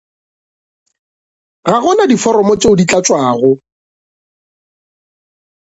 Ga go na diforomo tšeo di tlatšwago.